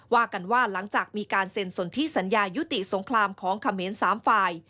ว่ากันว่าหลังจากมีการเซ็นสนที่สัญญายุติสงครามของเขมร๓ฝ่าย